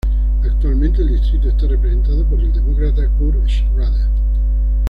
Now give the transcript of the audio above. Actualmente el distrito está representado por el Demócrata Kurt Schrader.